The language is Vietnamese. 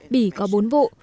bỉ có bộ phòng